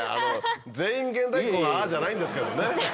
全員現代っ子がああじゃないんですけどね。